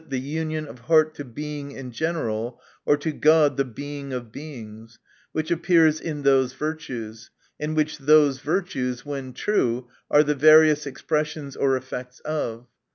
the union of heart to Being in general, or to God the Being of Beings, which appears in those virtues ; and which those virtues, when true, are the various expressions or effects of.